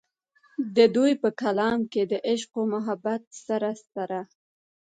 د دوي پۀ کلام کښې د عشق و محبت سره سره